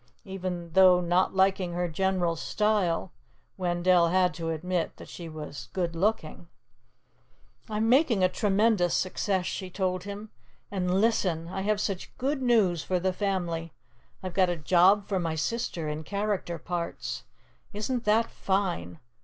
Even though not liking her general style, Wendell had to admit that she was good looking. "I'm making a tremendous success," she told him. "And listen. I have such good news for the family. I've got a job for my sister in character parts. Isn't that fine!